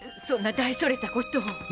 そんな大それたことを。